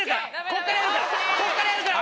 こっからやるから！